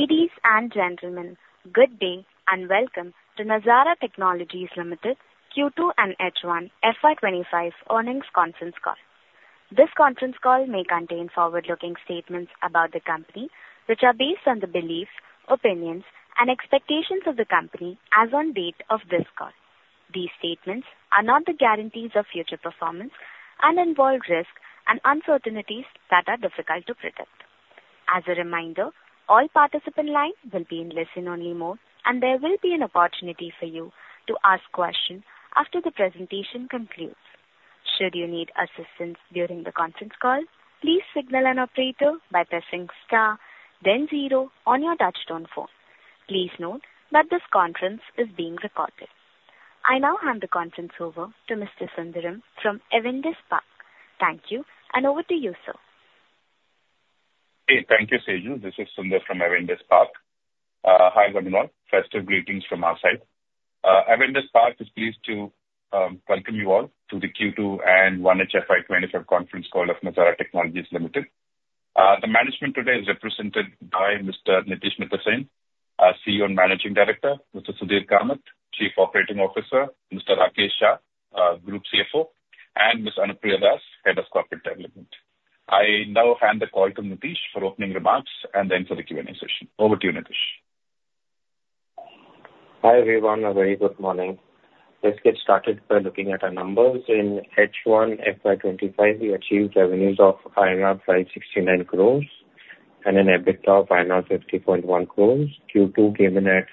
Ladi`es and gentlemen, good day and welcome to Nazara Technologies Limited Q2 and H1 FY25 Earnings Conference Call. This conference call may contain forward-looking statements about the company, which are based on the beliefs, opinions, and expectations of the company as of the date of this call. These statements are not the guarantees of future performance and involve risks and uncertainties that are difficult to predict. As a reminder, all participants' lines will be in listen-only mode, and there will be an opportunity for you to ask questions after the presentation concludes. Should you need assistance during the conference call, please signal an operator by pressing star, then zero on your touch-tone phone. Please note that this conference is being recorded. I now hand the conference over to Mr. Sundaram from Avendus Spark. Thank you, and over to you, sir. Okay, thank you, Seju. This is Sundaram from Avendus Spark. Hi, everyone. Festive greetings from our side. Avendus Spark is pleased to welcome you all to the Q2 and 1H FY25 conference call of Nazara Technologies Limited. The management today is represented by Mr. Nitish Mittersain, CEO and Managing Director, Mr. Sudhir Kamath, Chief Operating Officer, Mr. Rakesh Shah, Group CFO, and Ms. Anupriya Das, Head of Corporate Development. I now hand the call to Nitish for opening remarks and then for the Q&A session. Over to you, Nitish. Hi everyone, a very good morning. Let's get started by looking at our numbers. In H1 FY25, we achieved revenues of 569 crores and an EBITDA of` 551 crores. Q2 came in at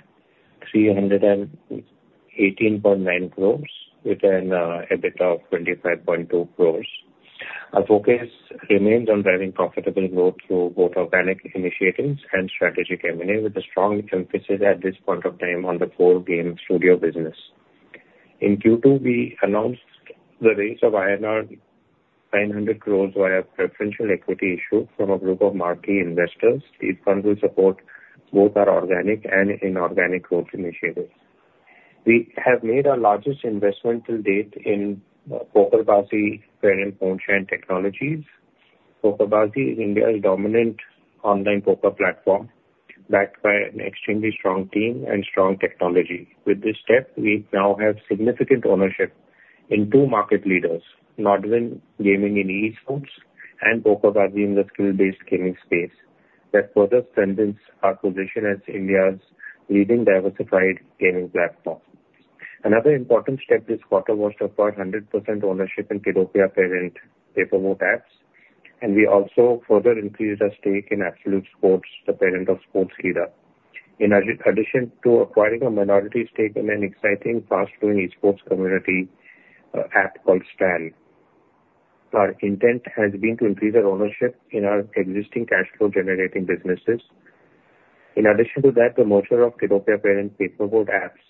318.9 crores with an EBITDA of 25.2 crores. Our focus remains on driving profitable growth through both organic initiatives and strategic M&A, with a strong emphasis at this point of time on the four-game studio business. In Q2, we announced the raise of INR 900 crores via preferential equity issue from a group of marquee investors. These funds will support both our organic and inorganic growth initiatives. We have made our largest investment to date in PokerBaazi Moonshine Technology. PokerBaazi is India's dominant online poker platform, backed by an extremely strong team and strong technology. With this step, we now have significant ownership in two market leaders, Nodwin Gaming in eSports and PokerBaazi in the skill-based gaming space, that further strengthens our position as India's leading diversified gaming platform. Another important step this quarter was to acquire 100% ownership in Kiddopia parent Paper Boat Apps, and we also further increased our stake in Absolute Sports, the parent of Sportskeeda. In addition to acquiring a minority stake in an exciting, fast-growing eSports community app called STAN, our intent has been to increase our ownership in our existing cash flow-generating businesses. In addition to that, the merger of Kiddopia parent Paper Boat Apps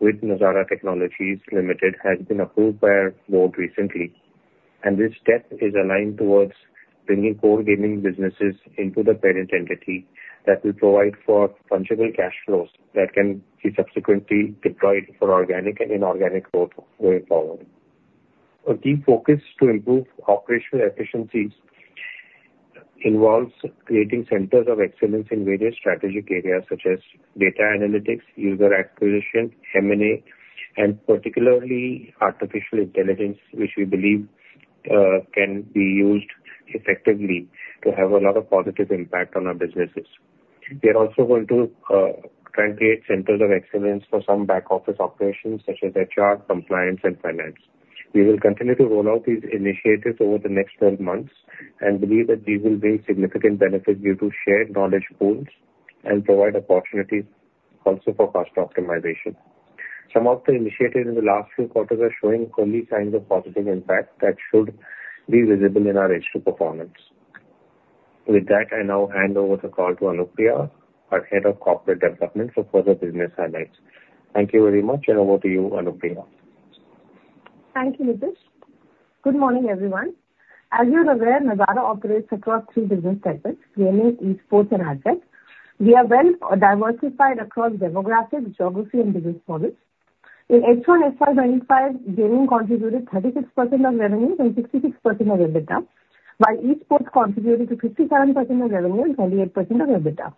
with Nazara Technologies Limited has been approved by a board recently, and this step is aligned towards bringing core gaming businesses into the parent entity that will provide for fungible cash flows that can be subsequently deployed for organic and inorganic growth going forward. A key focus to improve operational efficiencies involves creating centers of excellence in various strategic areas such as data analytics, user acquisition, M&A, and particularly artificial intelligence, which we believe can be used effectively to have a lot of positive impact on our businesses. We are also going to try and create centers of excellence for some back-office operations such as HR, compliance, and finance. We will continue to roll out these initiatives over the next 12 months and believe that these will bring significant benefits due to shared knowledge pools and provide opportunities also for cost optimization. Some of the initiatives in the last few quarters are showing early signs of positive impact that should be visible in our H2 performance. With that, I now hand over the call to Anupriya, our Head of Corporate Development, for further business highlights. Thank you very much, and over to you, Anupriya. Thank you, Nitish. Good morning, everyone. As you are aware, Nazara operates across three business centers: gaming, eSports, and Ad Tech. We are well diversified across demographics, geography, and business models. In H1 FY25, gaming contributed 36% of revenues and 66% of EBITDA, while eSports contributed 57% of revenues and 28% of EBITDA,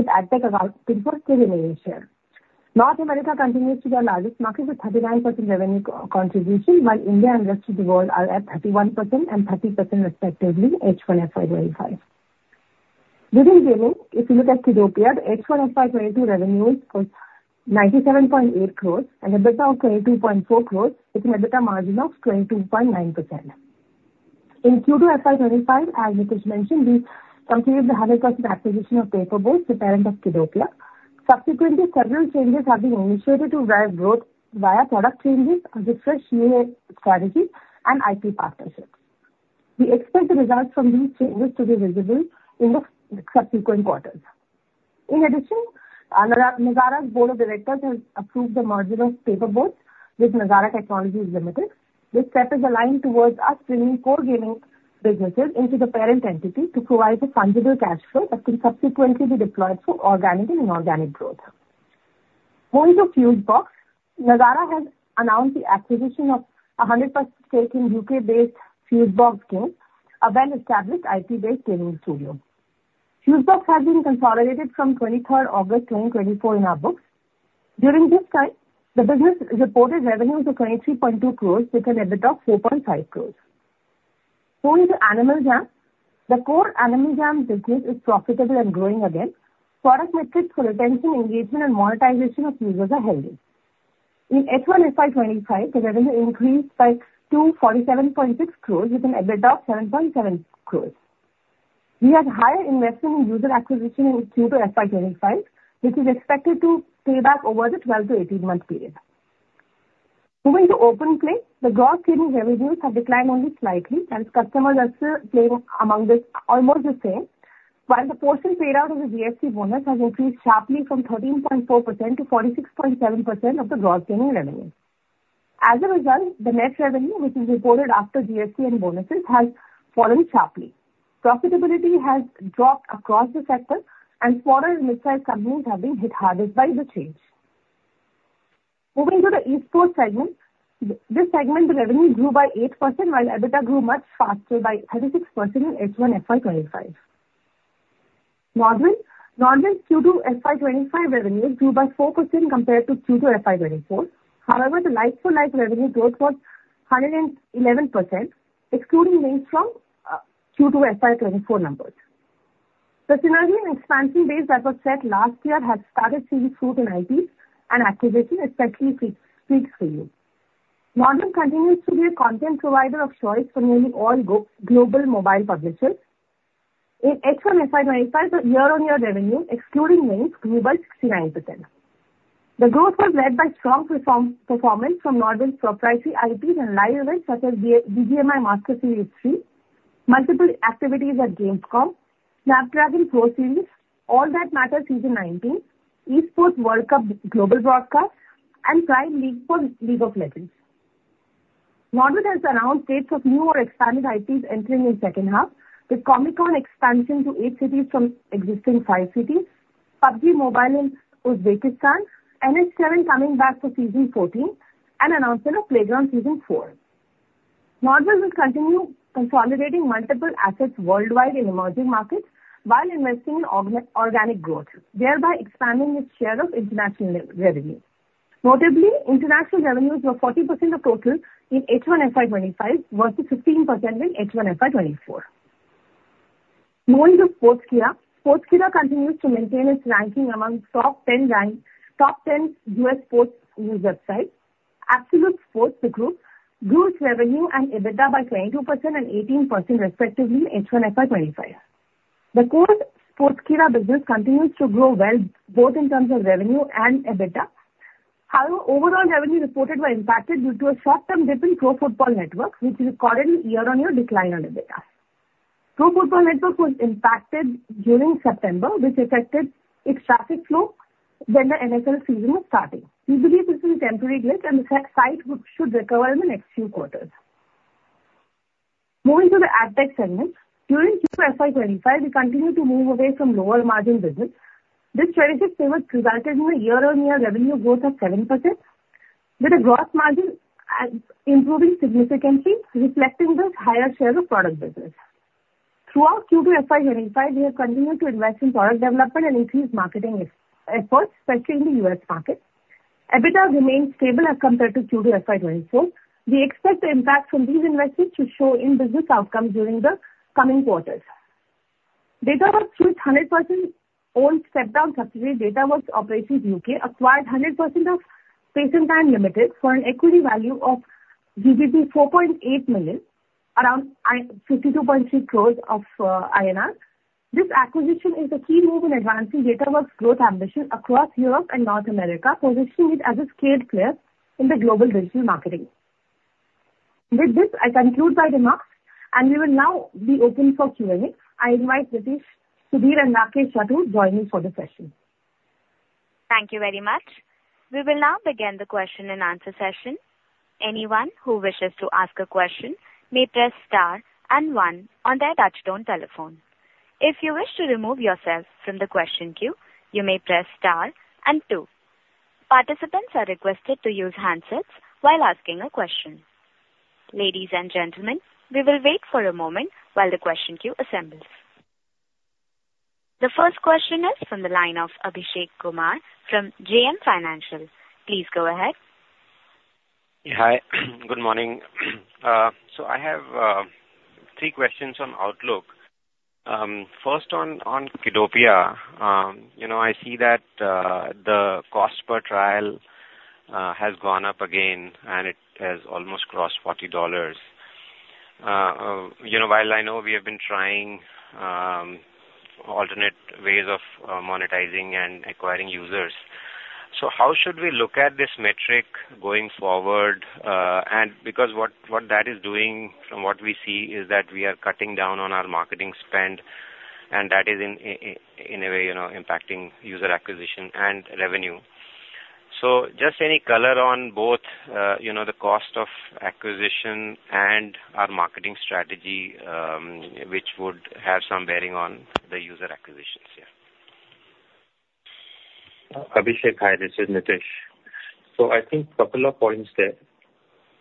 with Ad Tech accounting for a premium share. North America continues to be our largest market with 39% revenue contribution, while India and the rest of the world are at 31% and 30% respectively in H1 FY25. Within gaming, if you look at Kiddopia, the H1 FY22 revenues were 97.8 crores and EBITDA of 22.4 crores, with an EBITDA margin of 22.9%. In Q2 FY25, as Nitish mentioned, we completed the 100% acquisition of Paper Boat, the parent of Kiddopia. Subsequently, several changes have been initiated to drive growth via product changes and refreshed strategy and IP partnerships. We expect the results from these changes to be visible in the subsequent quarters. In addition, Nazara's Board of Directors has approved the merger of Paper Boat with Nazara Technologies Limited. This step is aligned towards us bringing core gaming businesses into the parent entity to provide a fungible cash flow that can subsequently be deployed for organic and inorganic growth. Moving to Fusebox, Nazara has announced the acquisition of a 100% stake in U.K.-based Fusebox Games, a well-established IP-based gaming studio. Fusebox has been consolidated from 23 August 2024 in our books. During this time, the business reported revenues of 23.2 crores, with an EBITDA of 4.5 crores. Moving to Animal Jam, the core Animal Jam business is profitable and growing again. Product metrics for retention, engagement, and monetization of users are healthy. In H1 FY25, the revenue increased by 247.6 crores, with an EBITDA of 7.7 crores. We had higher investment in user acquisition in Q2 FY25, which is expected to pay back over the 12-18 month period. Moving to OpenPlay, the gross gaming revenues have declined only slightly, as customers are still playing Among Us almost the same, while the portion paid out of the GST bonus has increased sharply from 13.4% to 46.7% of the gross gaming revenue. As a result, the net revenue, which is reported after GST and bonuses, has fallen sharply. Profitability has dropped across the sector, and smaller and mid-sized companies have been hit hardest by the change. Moving to the eSports segment, this segment, the revenue grew by 8%, while EBITDA grew much faster by 36% in H1 FY25. Nodwin's Q2 FY25 revenues grew by 4% compared to Q2 FY24. However, the like-for-like revenue growth was 111%, excluding links from Q2 FY24 numbers. The synergy and expansion base that was set last year has started seeing fruit in IP and acquisition, especially Freaks 4U. Nodwin continues to be a content provider of choice for nearly all global mobile publishers. In H1 FY25, the year-on-year revenue, excluding links, grew by 69%. The growth was led by strong performance from Nodwin's proprietary IPs and live events such as the BGMI Master Series 3, multiple activities at Gamescom, Snapdragon Pro Series, All That Matters Season 19, Esports World Cup Global Broadcast, and Prime League for League of Legends. Nodwin has announced dates of new or expanded IPs entering in the second half, with Comic Con expansion to eight cities from existing five cities, PUBG Mobile in Uzbekistan, NH7 coming back for Season 14, and announcement of Playground Season 4. Nodwin will continue consolidating multiple assets worldwide in emerging markets while investing in organic growth, thereby expanding its share of international revenue. Notably, international revenues were 40% of total in H1 FY25, worth 15% in H1 FY24. Moving to Sportskeeda, Sportskeeda continues to maintain its ranking among top 10 U.S. sports news websites. Absolute Sports, the group, grew its revenue and EBITDA by 22% and 18% respectively in H1 FY25. The core Sportskeeda business continues to grow well, both in terms of revenue and EBITDA. However, overall revenue reported were impacted due to a short-term dip in Pro Football Network, which recorded a year-on-year decline on EBITDA. Pro Football Network was impacted during September, which affected its traffic flow when the NFL season was starting. We believe this is a temporary glitch and the site should recover in the next few quarters. Moving to the Ad Tech segment, during Q2 FY25, we continued to move away from lower margin business. This strategic pivot resulted in a year-on-year revenue growth of 7%, with the gross margin improving significantly, reflecting the higher share of product business. Throughout Q2 FY25, we have continued to invest in product development and increase marketing efforts, especially in the U.S. market. EBITDA remained stable as compared to Q2 FY24. We expect the impact from these investments to show in business outcomes during the coming quarters. Datawrkz, which 100% owned stepdown subsidiary Datawrkz Operations UK, acquired 100% of Space & Time Limited for an equity value of 4.8 million, around 52.3 crores INR. This acquisition is a key move in advancing Datawrkz's growth ambition across Europe and North America, positioning it as a scaled player in the global digital marketing. With this, I conclude my remarks, and we will now be open for Q&A. I invite Nitish, Sudhir, and Rakesh Shah joining for the session. Thank you very much. We will now begin the question and answer session. Anyone who wishes to ask a question may press star and one on their touch-tone telephone. If you wish to remove yourself from the question queue, you may press star and two. Participants are requested to use handsets while asking a question. Ladies and gentlemen, we will wait for a moment while the question queue assembles. The first question is from the line of Abhishek Kumar from JM Financial. Please go ahead. Hi, good morning. I have three questions on Outlook. First, on Kiddopia, I see that the cost per trial has gone up again, and it has almost crossed $40. While I know we have been trying alternate ways of monetizing and acquiring users, so how should we look at this metric going forward? Because what that is doing, from what we see, is that we are cutting down on our marketing spend, and that is, in a way, impacting user acquisition and revenue. Just any color on both the cost of acquisition and our marketing strategy, which would have some bearing on the user acquisitions. Yeah. Abhishek, hi. This is Nitish. So I think a couple of points there.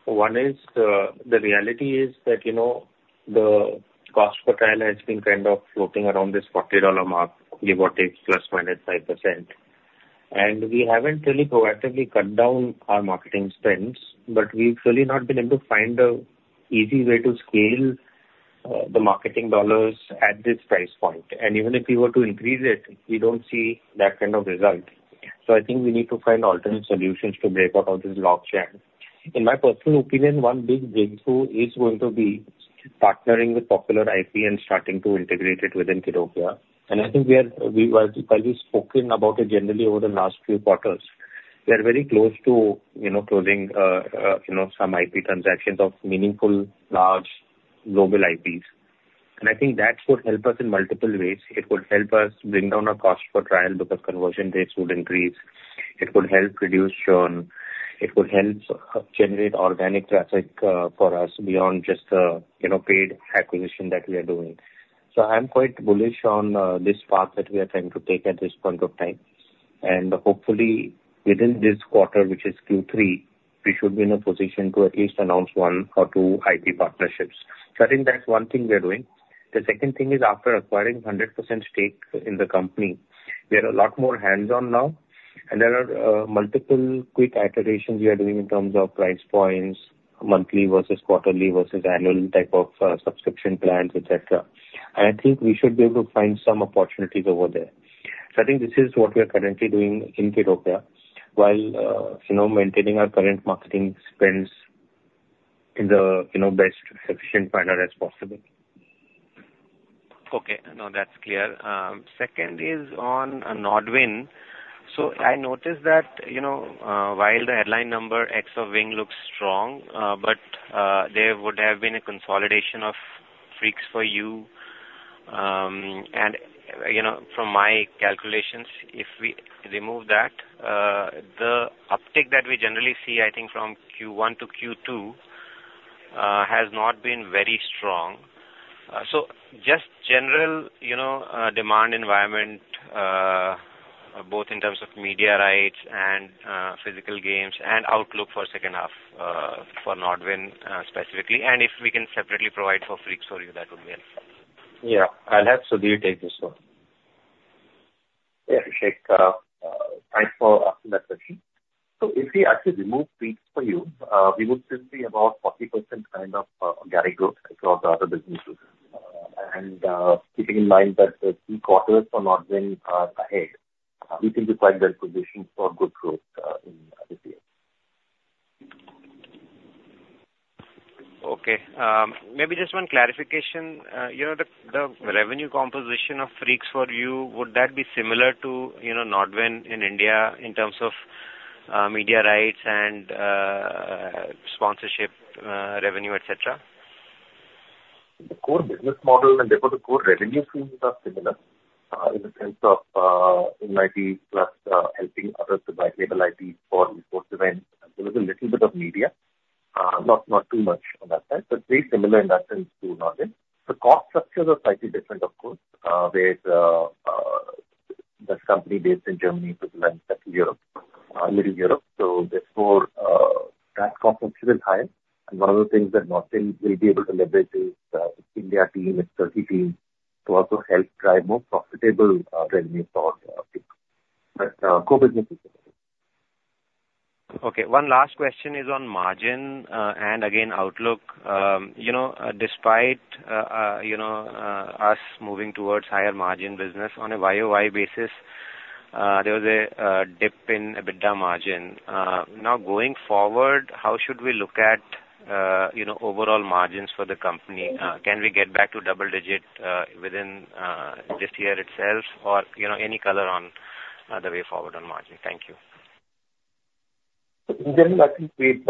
One is the reality is that the cost per trial has been kind of floating around this $40 mark, give or take plus minus 5%. And we haven't really proactively cut down our marketing spends, but we've really not been able to find an easy way to scale the marketing dollars at this price point. And even if we were to increase it, we don't see that kind of result. So I think we need to find alternate solutions to break out of this lock chain. In my personal opinion, one big breakthrough is going to be partnering with popular IP and starting to integrate it within Kiddopia. And I think we have, while we've spoken about it generally over the last few quarters, we are very close to closing some IP transactions of meaningful, large, global IPs. And I think that would help us in multiple ways. It would help us bring down our cost per trial because conversion rates would increase. It would help reduce churn. It would help generate organic traffic for us beyond just the paid acquisition that we are doing. So I'm quite bullish on this path that we are trying to take at this point of time. And hopefully, within this quarter, which is Q3, we should be in a position to at least announce one or two IP partnerships. So I think that's one thing we are doing. The second thing is, after acquiring 100% stake in the company, we are a lot more hands-on now. There are multiple quick iterations we are doing in terms of price points, monthly versus quarterly versus annual type of subscription plans, etc. I think we should be able to find some opportunities over there. I think this is what we are currently doing in Kiddopia, while maintaining our current marketing spends in the best, efficient manner as possible. Okay. No, that's clear. Second is on Nodwin. So I noticed that while the headline num`ber for Nodwin looks strong, but there would have been a consolidation of Freaks 4U. And from my calculations, if we remove that, the uptake that we generally see, I think, from Q1 to Q2 has not been very strong. So just general demand environment, both in terms of media rights and physical games and outlook for second half for Nodwin specifically. And if we can separately provide for Freaks 4U, that would be helpful. Yeah. I'll have Sudhir take this one. Yeah, Abhishek, thanks for asking that question. So if we actually remove Freaks 4U, we would still see about 40% kind of organic growth across the other businesses. And keeping in mind that the key quarters for Nodwin are ahead, we think it's quite well-positioned for good growth in this year. Okay. Maybe just one clarification. The revenue composition of Freaks 4U, would that be similar to Nodwin in India in terms of media rights and sponsorship revenue, et cetera? The core business model and therefore the core revenue streams are similar in the sense of M&A plus helping others to acquire IPs for eSports events. There was a little bit of media, not too much on that side, but very similar in that sense to Nodwin. The cost structures are slightly different, of course, whereas this company based in Germany represents Central Europe, Middle Europe. So therefore, that cost is still higher. And one of the things that Nodwin will be able to leverage is its India team, its Turkey team, to also help drive more profitable revenues for our people. But core business is similar. Okay. One last question is on margin. And again, outlook, despite us moving towards higher margin business on a YOY basis, there was a dip in EBITDA margin. Now, going forward, how should we look at overall margins for the company? Can we get back to double-digit within this year itself, or any color on the way forward on margin? Thank you. In general, I think we've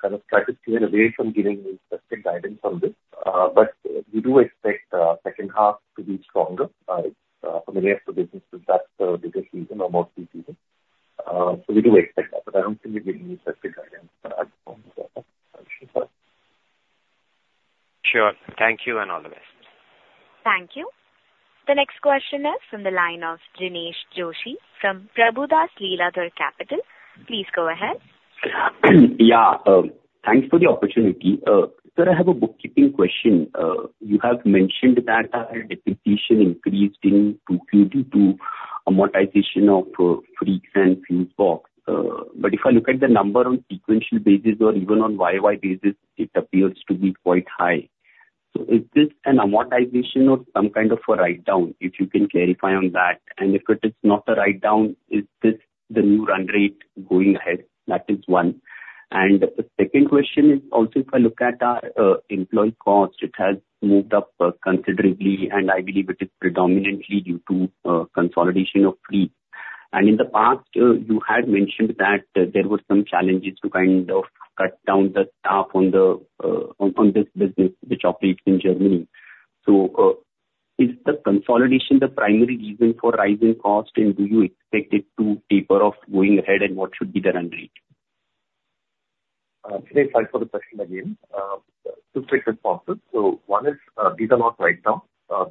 kind of started to get away from giving any specific guidance on this. But we do expect the second half to be stronger. It's familiar to businesses. That's the biggest reason or mostly reason. So we do expect that. But I don't think we've given any specific guidance on that. Sure. Thank you and all the best. Thank you. The next question is from the line of Jinesh Joshi from Prabhudas Lilladher Capital. Please go ahead. Yeah. Thanks for the opportunity. Sir, I have a bookkeeping question. You have mentioned that our depreciation increased in 2022 due to amortization of Freaks and Fusebox. But if I look at the number on sequential basis or even on YOY basis, it appears to be quite high. So is this an amortization or some kind of a write-down? If you can clarify on that. And if it is not a write-down, is this the new run rate going ahead? That is one. And the second question is also, if I look at our employee cost, it has moved up considerably, and I believe it is predominantly due to consolidation of Freaks. And in the past, you had mentioned that there were some challenges to kind of cut down the staff on this business, which operates in Germany. So is the consolidation the primary reason for rising cost, and do you expect it to taper off going ahead, and what should be the run rate? Today, thanks for the question again. Two quick responses. So one is these are not write-downs. These are amortizations of the acquisitions. Higher expenses are for two reasons. One is the German cost, as you mentioned. The other is just about deal-related expenses, which have been expensed out the way of cost. That covers both questions. I will explain the questions. Sure. So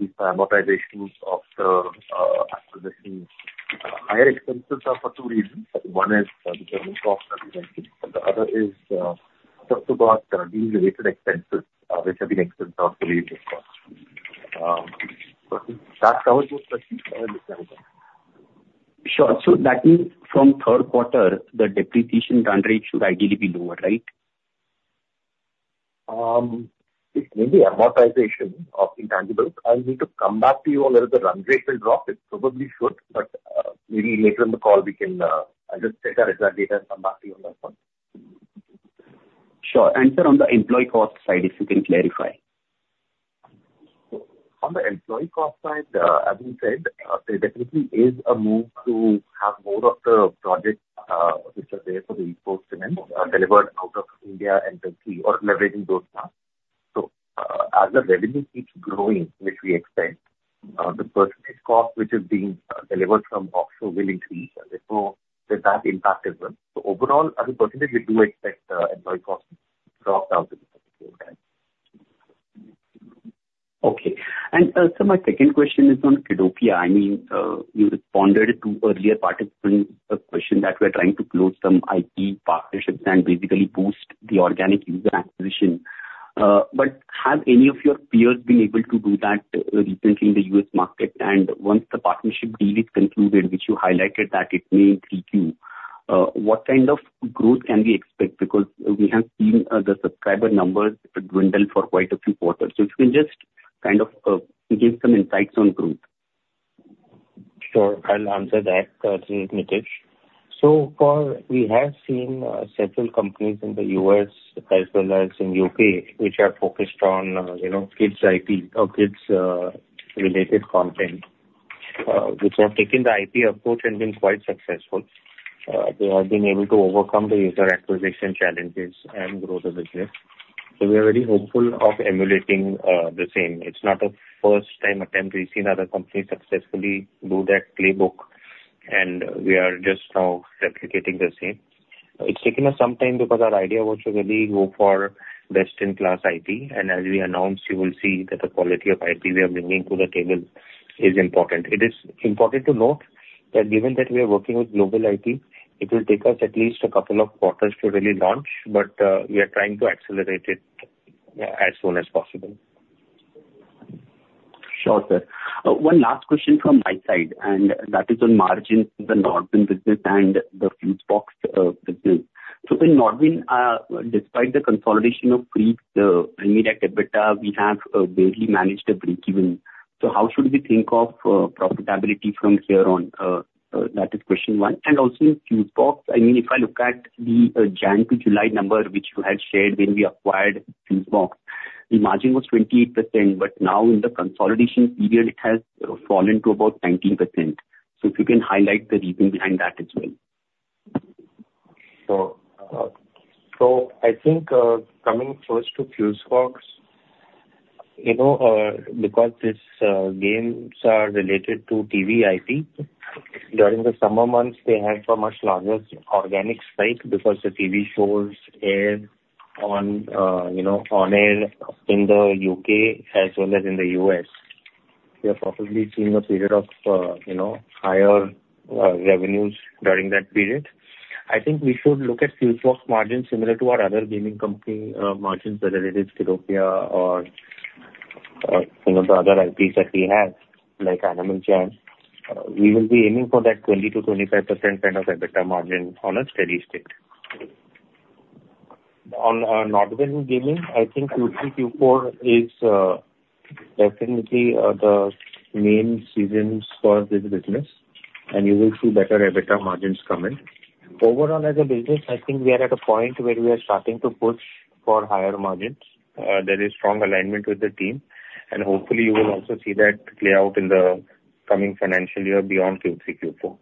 that means from third quarter, the depreciation run rate should ideally be lower, right? It may be amortization of intangibles. I'll need to come back to you on whether the run rate will drop. It probably should, but maybe later in the call, we can just take our exact data and come back to you on that one. Sure. And, sir, on the employee cost side, if you can clarify. On the employee cost side, as we said, there definitely is a move to have more of the projects which are there for the eSports events delivered out of India and Turkey or leveraging those staff. So as the revenue keeps growing, which we expect, the personnel cost, which is being delivered from offshore, will increase. And therefore, there's that impact as well. So overall, as a percentage, we do expect employee costs to drop down to the second quarter. Okay, and sir, my second question is on Kiddopia. I mean, you responded to earlier participants' question that we are trying to close some IP partnerships and basically boost the organic user acquisition, but have any of your peers been able to do that recently in the U.S. market, and once the partnership deal is concluded, which you highlighted that it may intrigue you, what kind of growth can we expect? Because we have seen the subscriber numbers dwindle for quite a few quarters, so if you can just kind of give some insights on growth. Sure. I'll answer that. This is Nitish. So we have seen several companies in the U.S. as well as in the U.K., which are focused on kids' IP or kids-related content, which have taken the IP approach and been quite successful. They have been able to overcome the user acquisition challenges and grow the business. So we are very hopeful of emulating the same. It's not a first-time attempt. We've seen other companies successfully do that playbook, and we are just now replicating the same. It's taken us some time because our idea was to really go for best-in-class IP. And as we announced, you will see that the quality of IP we are bringing to the table is important. It is important to note that given that we are working with global IP, it will take us at least a couple of quarters to really launch, but we are trying to accelerate it as soon as possible. Sure, sir. One last question from my side. And that is on margin, the Nodwin business and the Fusebox business. So in Nodwin, despite the consolidation of Freaks 4U, the media EBITDA, we have barely managed a break-even. So how should we think of profitability from here on? That is question one. And also in Fusebox, I mean, if I look at the January to July number, which you had shared when we acquired Fusebox, the margin was 28%, but now in the consolidation period, it has fallen to about 19%. So if you can highlight the reason behind that as well. So I think coming close to Fusebox, because these games are related to TV IP, during the summer months, they have a much larger organic spike because the TV shows air on air in the U.K. as well as in the U.S. We are probably seeing a period of higher revenues during that period. I think we should look at Fusebox margins similar to our other gaming company margins related to Kiddopia or some of the other IPs that we have, like Animal Jam. We will be aiming for that 20%-25% kind of EBITDA margin on a steady state. On Nodwin Gaming, I think Q3, Q4 is definitely the main seasons for this business, and you will see better EBITDA margins coming. Overall, as a business, I think we are at a point where we are starting to push for higher margins. There is strong alignment with the team, and hopefully, you will also see that play out in the coming financial year beyond Q3, Q4.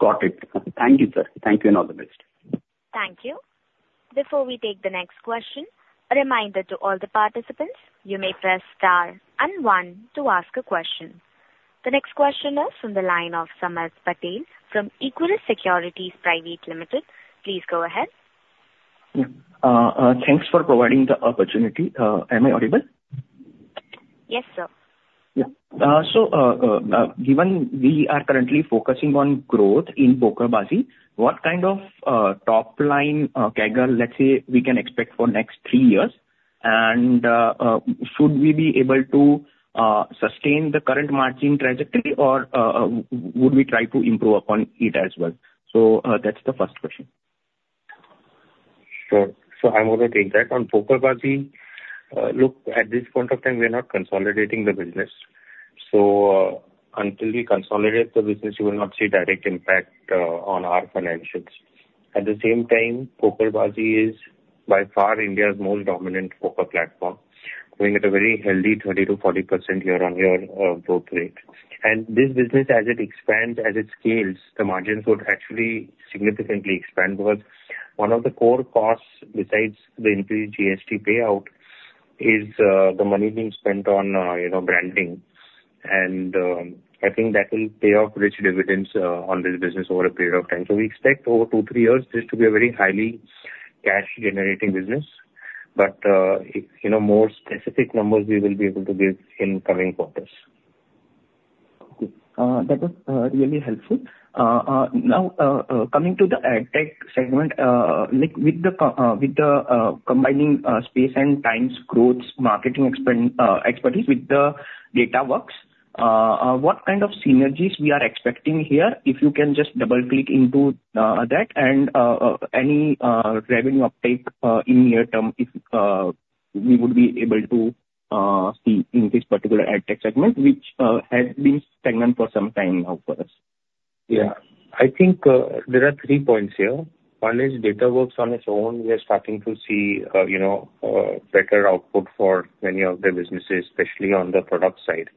Got it. Thank you, sir. Thank you and all the best. Thank you. Before we take the next question, a reminder to all the participants, you may press star and one to ask a question. The next question is from the line of Samarth Patel from Equirus Securities Private Limited. Please go ahead. Thanks for providing the opportunity. Am I audible? Yes, sir. Yeah. So given we are currently focusing on growth in PokerBaazi, what kind of top-line CAGR, let's say, we can expect for next three years? And should we be able to sustain the current margin trajectory, or would we try to improve upon it as well? So that's the first question. Sure. So I'm going to take that. On PokerBaazi, look, at this point of time, we are not consolidating the business. So until we consolidate the business, you will not see direct impact on our financials. At the same time, PokerBaazi is by far India's most dominant poker platform, having a very healthy 30%-40% year-on-year growth rate. And this business, as it expands, as it scales, the margins would actually significantly expand because one of the core costs, besides the increased GST payout, is the money being spent on branding. And I think that will pay off rich dividends on this business over a period of time. So we expect over two, three years this to be a very highly cash-generating business. But more specific numbers we will be able to give in coming quarters. Okay. That was really helpful. Now, coming to the Ad Tech segment, with the combining Space & Time's growth marketing expertise with the Datawrkz, what kind of synergies we are expecting here, if you can just double-click into that, and any revenue uptake in near-term we would be able to see in this particular Ad Tech segment, which has been stagnant for some time now for us? Yeah. I think there are three points here. One is Datawrkz on its own. We are starting to see better output for many of the businesses, especially on the product side.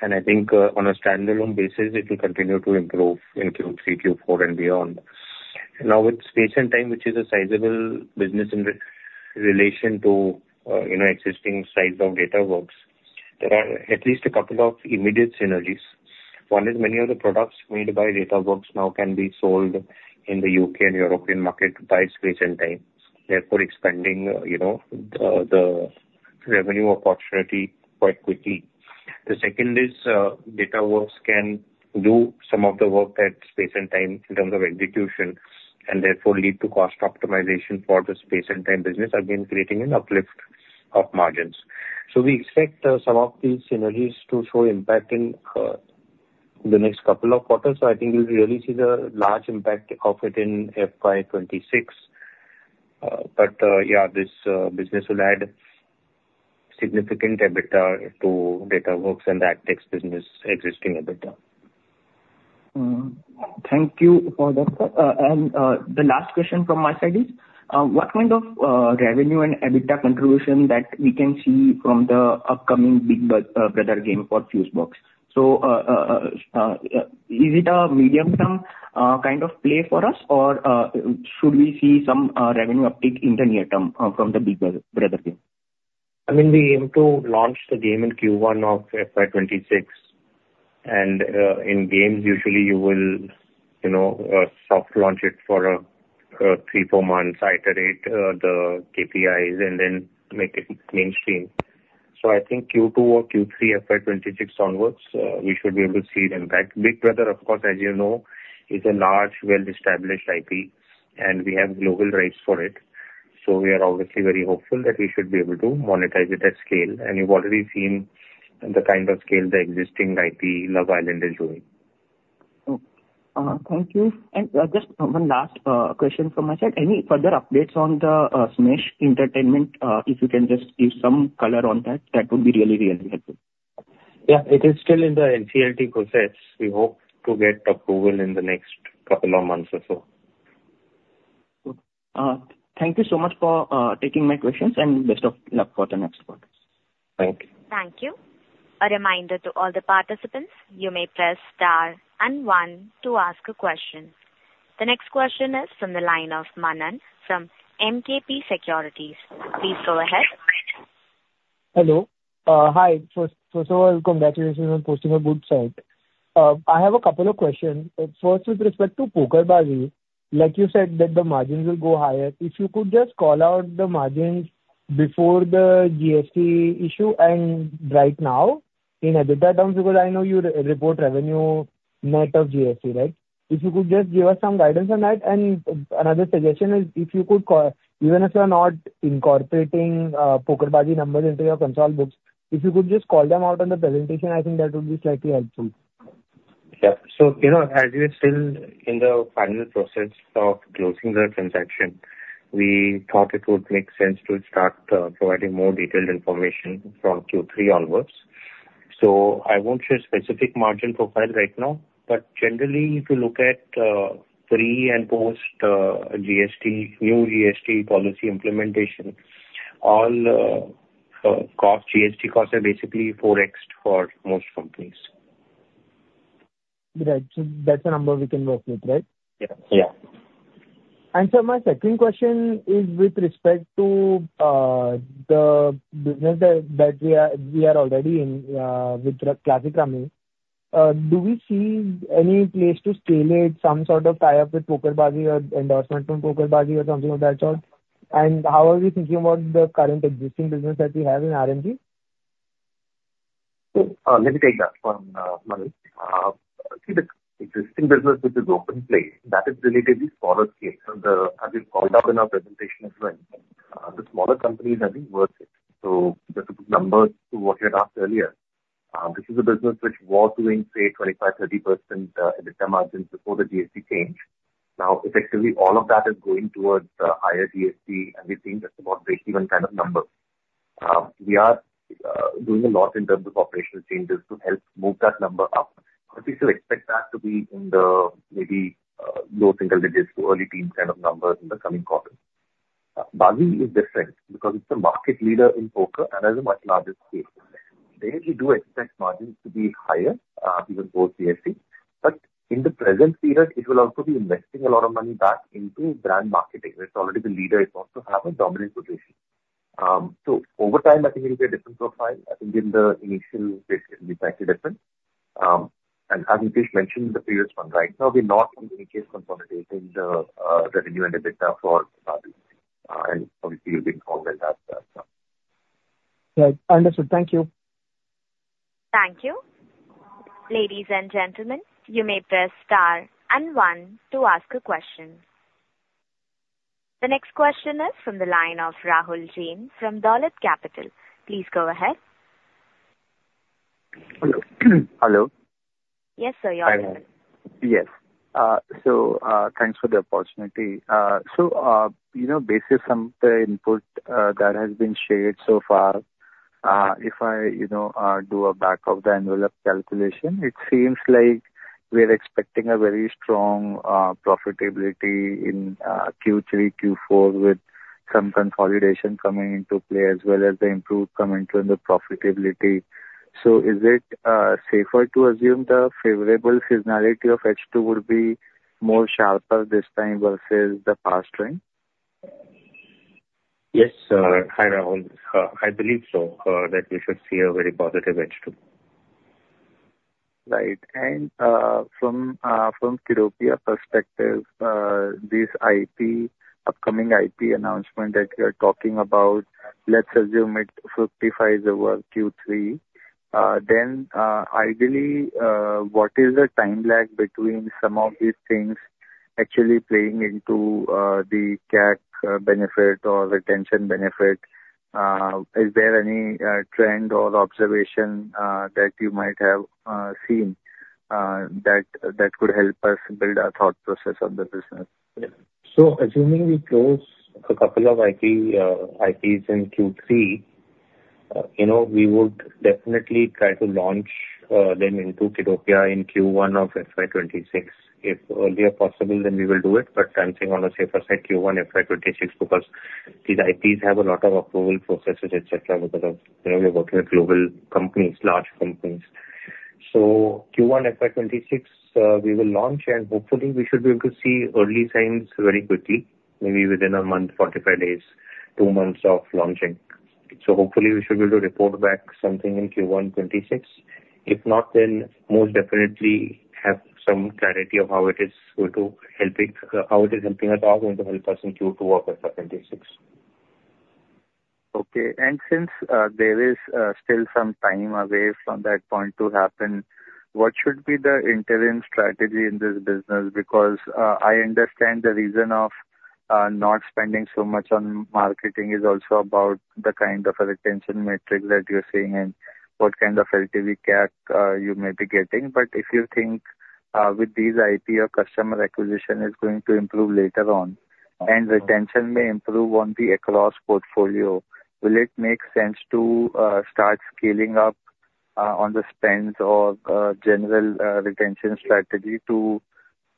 And I think on a standalone basis, it will continue to improve in Q3, Q4, and beyond. Now, with Space & Time, which is a sizable business in relation to existing size of Datawrkz, there are at least a couple of immediate synergies. One is many of the products made by Datawrkz now can be sold in the U.K. and European market by Space & Time, therefore expanding the revenue opportunity quite quickly. The second is Datawrkz can do some of the work at Space & Time in terms of execution and therefore lead to cost optimization for the Space & Time business, again creating an uplift of margins. So we expect some of these synergies to show impact in the next couple of quarters. So I think we'll really see the large impact of it in FY26. But yeah, this business will add significant EBITDA to Datawrkz and the AdTech business existing EBITDA. Thank you for that. The last question from my side is, what kind of revenue and EBITDA contribution that we can see from the upcoming Big Brother game for Fusebox? Is it a medium-term kind of play for us, or should we see some revenue uptake in the near term from the Big Brother game? I mean, we aim to launch the game in Q1 of FY26, and in games, usually you will soft launch it for three, four months, iterate the KPIs, and then make it mainstream, so I think Q2 or Q3, FY26 onwards, we should be able to see an impact. Big Brother, of course, as you know, is a large, well-established IP, and we have global rights for it, so we are obviously very hopeful that we should be able to monetize it at scale, and you've already seen the kind of scale the existing IP Love Island is doing. Thank you. And just one last question from my side. Any further updates on the Smaaash Entertainment? If you can just give some color on that, that would be really, really helpful. Yeah. It is still in the NCLT process. We hope to get approval in the next couple of months or so. Thank you so much for taking my questions, and best of luck for the next one. Thank you. Thank you. A reminder to all the participants, you may press star and one to ask a question. The next question is from the line of [Manan] from MKP Securities. Please go ahead. Hello. Hi. First of all, congratulations on posting a good set. I have a couple of questions. First, with respect to PokerBaazi, like you said, that the margins will go higher. If you could just call out the margins before the GST issue and right now in EBITDA terms, because I know you report revenue net of GST, right? If you could just give us some guidance on that. And another suggestion is, if you could, even if you're not incorporating PokerBaazi numbers into your consolidated books, if you could just call them out on the presentation, I think that would be slightly helpful. Yeah. So as we are still in the final process of closing the transaction, we thought it would make sense to start providing more detailed information from Q3 onwards. So I won't share specific margin profile right now, but generally, if you look at pre and post GST, new GST policy implementation, all GST costs are basically 4x for most companies. Right. So that's a number we can work with, right? Yeah. Sir, my second question is with respect to the business that we are already in with classic real money, do we see any place to scale it, some sort of tie-up with PokerBaazi or endorsement from PokerBaazi or something of that sort? How are we thinking about the current existing business that we have in RMG? Let me take that one. I think the existing business, which is OpenPlay, that is relatively smaller scale. As you called out in our presentation as well, the smaller companies have been hurt. So just to put numbers to what you had asked earlier, this is a business which was doing, say, 25%-30% EBITDA margins before the GST change. Now, effectively, all of that is going towards higher GST, and we think that's about break-even kind of number. We are doing a lot in terms of operational changes to help move that number up. But we still expect that to be in the maybe low single digits to early teens kind of numbers in the coming quarters. Baazi is different because it's a market leader in poker and has a much larger scale. They do expect margins to be higher even post GST. But in the present period, it will also be investing a lot of money back into brand marketing. It's already the leader. It's also have a dominant position. So over time, I think it will be a different profile. I think in the initial phase, it will be slightly different. And as Nitish mentioned, the previous one, right now, we're not in any case consolidating the revenue and EBITDA for Bazi. And obviously, you'll be informed when that's done. Right. Understood. Thank you. Thank you. Ladies and gentlemen, you may press star and one to ask a question. The next question is from the line of Rahul Jain from Dolat Capital. Please go ahead. Hello. Yes, sir. You're welcome. Yes. So thanks for the opportunity. So based on some of the input that has been shared so far, if I do a back-of-the-envelope calculation, it seems like we are expecting a very strong profitability in Q3, Q4 with some consolidation coming into play as well as the improved coming to the profitability. So is it safer to assume the favorable seasonality of H2 would be more sharper this time versus the past time? Yes, sir. I believe so that we should see a very positive H2. Right. And from Kiddopia perspective, this upcoming IP announcement that you are talking about, let's assume it fructifies over Q3, then ideally, what is the time lag between some of these things actually playing into the CAC benefit or retention benefit? Is there any trend or observation that you might have seen that could help us build our thought process on the business? Yeah. So assuming we close a couple of IPs in Q3, we would definitely try to launch them into Kiddopia in Q1 of FY26. If earlier possible, then we will do it. But I'm saying on a safer side, Q1 FY26 because these IPs have a lot of approval processes, etc., because we are working with global companies, large companies. So Q1 FY26, we will launch, and hopefully, we should be able to see early signs very quickly, maybe within a month, 45 days, two months of launching. So hopefully, we should be able to report back something in Q1 FY26. If not, then most definitely have some clarity of how it is going to help it, how it is helping us, how it is going to help us in Q2 of FY26. Okay. And since there is still some time away from that point to happen, what should be the interim strategy in this business? Because I understand the reason of not spending so much on marketing is also about the kind of retention metric that you're seeing and what kind of LTV CAC you may be getting. But if you think with these IP or customer acquisition is going to improve later on and retention may improve across the portfolio, will it make sense to start scaling up on the spend or general retention strategy to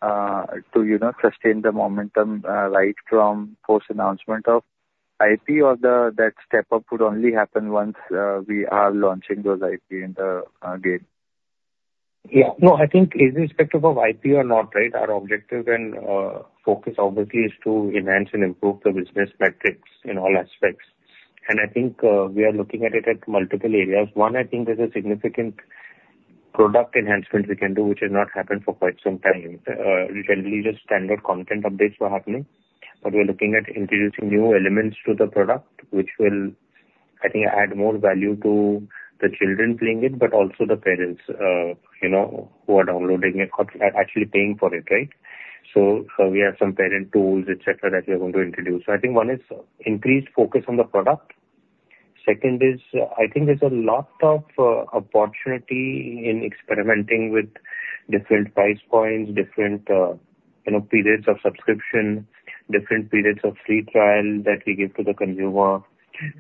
sustain the momentum right from post announcement of IP or that step-up would only happen once we are launching those IP in the game? Yeah. No, I think with respect to IP or not, right, our objective and focus obviously is to enhance and improve the business metrics in all aspects. And I think we are looking at it at multiple areas. One, I think there's a significant product enhancement we can do, which has not happened for quite some time. Generally, just standard content updates were happening, but we're looking at introducing new elements to the product, which will, I think, add more value to the children playing it, but also the parents who are downloading it, actually paying for it, right? So I think one is increased focus on the product. Second is, I think there's a lot of opportunity in experimenting with different price points, different periods of subscription, different periods of free trial that we give to the consumer,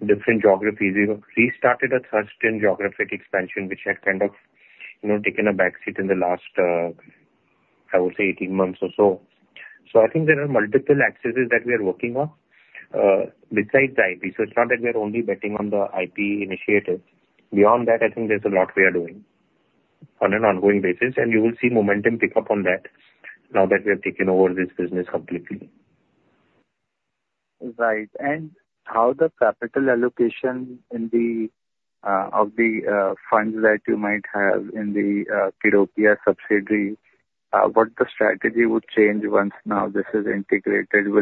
different geographies. We restarted a thrusting geographic expansion, which had kind of taken a backseat in the last, I would say, 18 months or so. So I think there are multiple axes that we are working on besides the IP. So it's not that we are only betting on the IP initiative. Beyond that, I think there's a lot we are doing on an ongoing basis, and you will see momentum pick up on that now that we have taken over this business completely. Right. And how the capital allocation of the funds that you might have in the Kiddopia subsidiary, what the strategy would change once now this is integrated?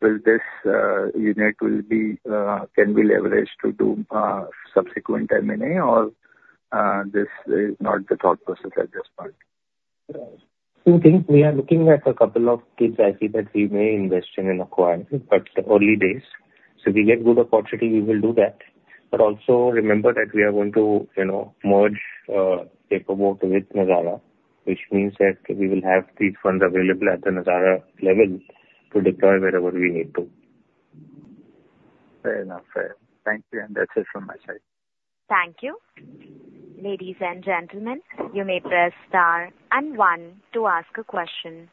Will this unit can be leveraged to do subsequent M&A, or this is not the thought process at this point? We are looking at a couple of kids IP that we may invest in and acquire, but early days, so if we get good opportunity, we will do that, but also remember that we are going to merge Paperboat with Nazara, which means that we will have these funds available at the Nazara level to deploy wherever we need to. Fair enough. Thank you. And that's it from my side. Thank you. Ladies and gentlemen, you may press star and one to ask a question.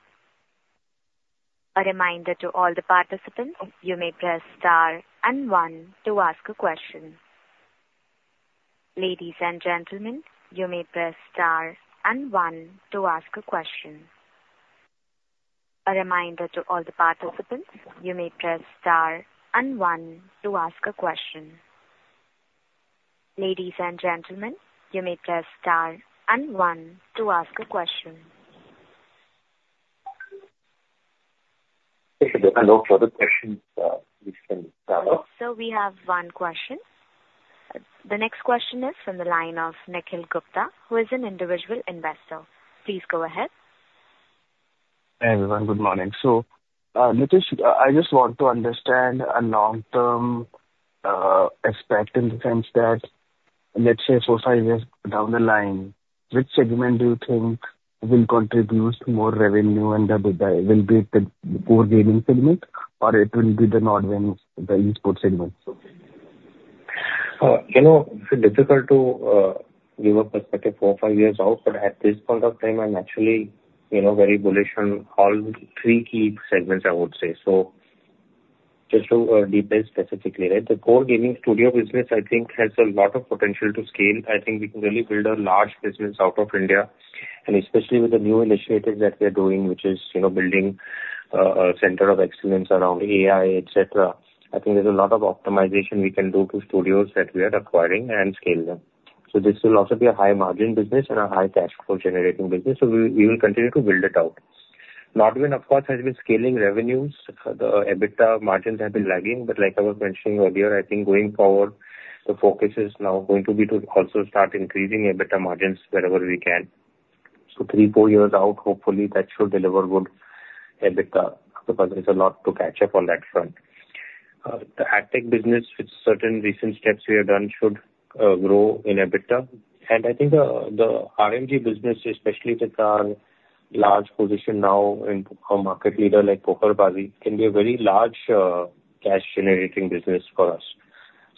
A reminder to all the participants, you may press star and one to ask a question. Ladies and gentlemen, you may press star and one to ask a question. A reminder to all the participants, you may press star and one to ask a question. Ladies and gentlemen, you may press star and one to ask a question. If there's no further questions, we can wrap up. We have one question. The next question is from the line of Nikhil Gupta, who is an individual investor. Please go ahead. Hi, everyone. Good morning. Nitish, I just want to understand a long-term aspect in the sense that, let's say, four, five years down the line, which segment do you think will contribute more revenue and will be the core gaming segment, or it will be the Nodwin eSports segment? It's difficult to give a perspective four, five years out, but at this point of time, I'm actually very bullish on all three key segments, I would say. So just to detail specifically, right, the core gaming studio business, I think, has a lot of potential to scale. I think we can really build a large business out of India, and especially with the new initiative that we are doing, which is building a center of excellence around AI, etc. I think there's a lot of optimization we can do to studios that we are acquiring and scale them. So this will also be a high-margin business and a high-cash-flow generating business. So we will continue to build it out. Nodwin, of course, has been scaling revenues. The EBITDA margins have been lagging, but like I was mentioning earlier, I think going forward, the focus is now going to be to also start increasing EBITDA margins wherever we can. So three, four years out, hopefully, that should deliver good EBITDA because there's a lot to catch up on that front. The Ad Tech business, with certain recent steps we have done, should grow in EBITDA. And I think the R&D business, especially with our large position now in a market leader like PokerBaazi, can be a very large cash-generating business for us.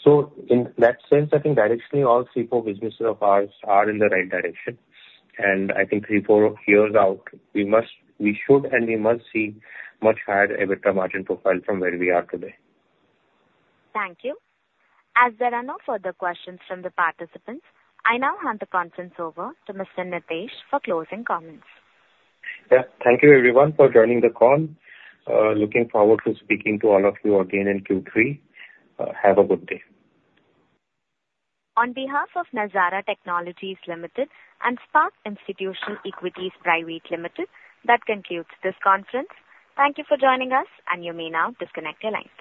So in that sense, I think directionally, all three or four businesses of ours are in the right direction. And I think three, four years out, we should and we must see much higher EBITDA margin profile from where we are today. Thank you. As there are no further questions from the participants, I now hand the conference over to Mr. Nitish for closing comments. Yeah. Thank you, everyone, for joining the call. Looking forward to speaking to all of you again in Q3. Have a good day. On behalf of Nazara Technologies Limited and Spark Institutional Equities Private Limited, that concludes this conference. Thank you for joining us, and you may now disconnect your lines.